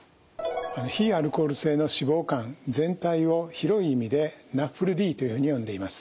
非アルコール性の脂肪肝全体を広い意味でＮＡＦＬＤというふうに呼んでいます。